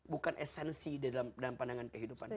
bukan esensi dalam pandangan kehidupan kita